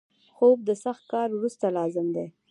خوب د سخت کار وروسته لازم دی